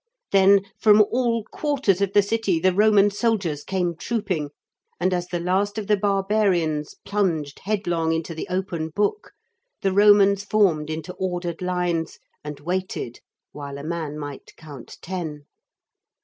Then from all quarters of the city the Roman soldiers came trooping, and as the last of the barbarians plunged headlong into the open book, the Romans formed into ordered lines and waited, while a man might count ten.